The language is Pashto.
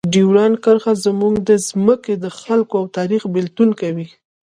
ډیورنډ کرښه زموږ د ځمکې، خلکو او تاریخ بېلتون کوي.